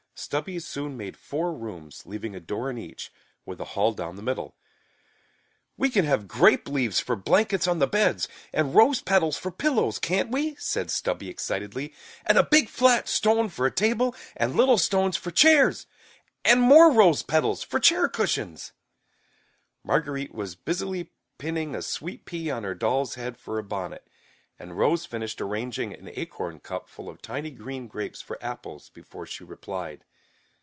Stubby soon made four rooms, leaving a door in each, with a hall down the middle. "We can have grape leaves for blankets on the beds, and rose petals for pillows, can't we?" said Stubby excitedly, "and a big, flat stone for a table and little stones for chairs! and more rose petals for chair cushions!" Marguerite was busily pinning a sweet pea on her doll's head for a bonnet, and Rose finished arranging an acorn cup full of tiny green grapes for apples, before she replied.